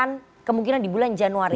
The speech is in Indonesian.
akan kemungkinan di bulan januari